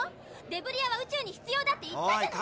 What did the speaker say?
デブリ屋は宇宙に必要だって言ったじゃ。